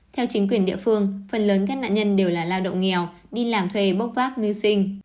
theo chính quyền địa phương phần lớn các nạn nhân đều là lao động nghèo đi làm thuê bốc vác mưu sinh